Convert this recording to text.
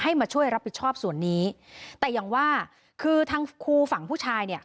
มาช่วยรับผิดชอบส่วนนี้แต่อย่างว่าคือทางครูฝั่งผู้ชายเนี่ย